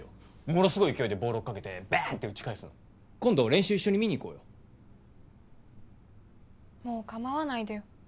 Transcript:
ものすごい勢いでボール追っかけてバーンって打ち返すの今度練習一緒に見に行こうよもう構わないでよ